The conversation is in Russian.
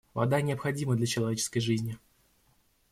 Вода необходима для человеческой жизни.